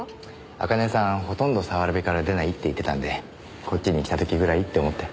茜さんほとんど早蕨から出ないって言ってたんでこっちに来た時ぐらいって思って。